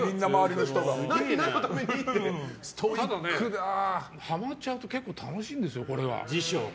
ただね、はまっちゃうと結構楽しいんですよ、これが。